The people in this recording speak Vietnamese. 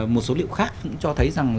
một số liệu khác cho thấy rằng